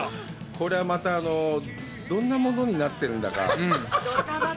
これは、また、どんなものになってるんだか。